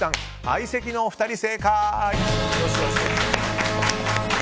相席のお二人、正解！